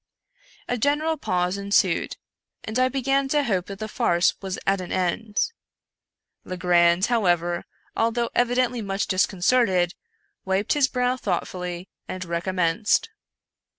A general pause ensued, and I began to hope that the farce was at an end. Legrand, however, although evidently much disconcerted, wiped his brow thoughtfully and recommenced.